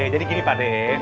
jadi gini pak d